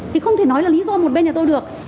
thì không thể nói là lý do một bên nhà tôi được